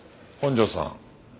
本城さん。